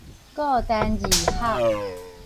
構單字學